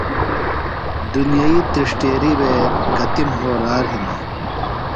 دُنئی تِرݜٹیرِیۡ وے کتیۡ مھولار ہِنیۡ۔